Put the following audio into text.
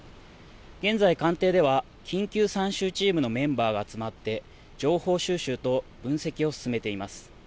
現在官邸では緊急参集チームのメンバーが集まって情報収集と分析を進めています。